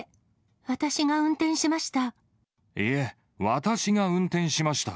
私が運転しました。